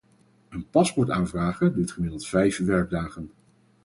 Een paspoort aanvragen duurt gemiddeld vijf werkdagen.